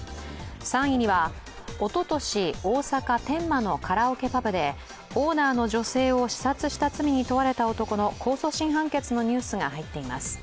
３位には、おととし、大阪・天満のカラオケパブでオーナーの女性を刺殺した罪に問われた男の控訴審判決のニュースが入っています。